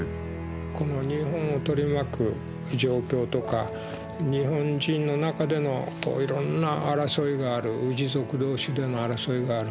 この日本を取り巻く状況とか日本人の中でのいろんな争いがある氏族同士での争いがある。